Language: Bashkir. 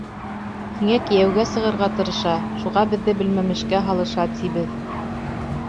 Һиңә кейәүгә сығырға тырыша, шуға беҙҙе белмәмешкә һалыша, тибеҙ.